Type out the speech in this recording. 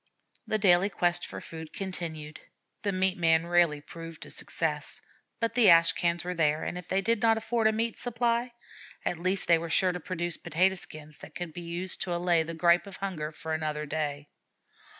The daily quest for food continued. The meat man rarely proved a success, but the ash cans were there, and if they did not afford a meat supply, at least they were sure to produce potato skins that could be used to allay the gripe of hunger for another day.